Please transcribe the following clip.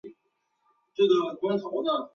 莱库斯人口变化图示